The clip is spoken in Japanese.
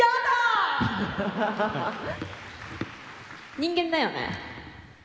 人間だよね？